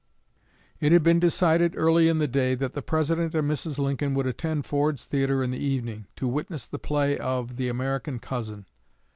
It had been decided early in the day that the President and Mrs. Lincoln would attend Ford's Theatre in the evening, to witness the play of "The American Cousin."